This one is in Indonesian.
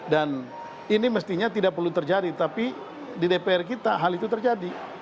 dan ini mestinya tidak perlu terjadi tapi di dpr kita hal itu terjadi